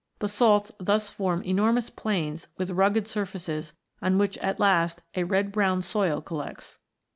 Basalts thus form enormous plains with rugged surfaces, on which at last a red brown soil collects.